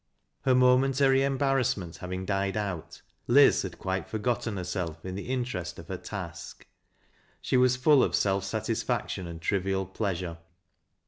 Her momentary embarrassment having died out, Liz had quite forgotten herself in the interest of her task. She was full of self satisfaction and trivial pleasure.